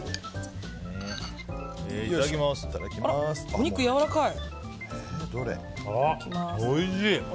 お肉やわらかい。